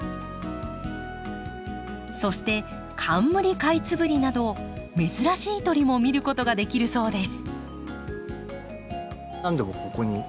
そしてカンムリカイツブリなど珍しい鳥も見ることができるそうです。